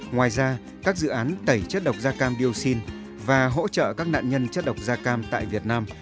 ngoài ra các dự án tẩy chất độc da cam dioxin và hỗ trợ các nạn nhân chất độc da cam tại việt nam